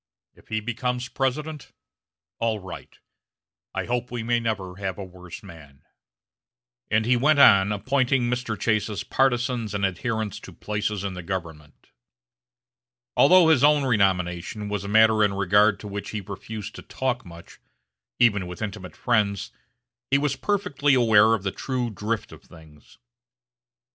If he becomes President, all right. I hope we may never have a worse man." And he went on appointing Mr. Chase's partizans and adherents to places in the government. Although his own renomination was a matter in regard to which he refused to talk much, even with intimate friends, he was perfectly aware of the true drift of things.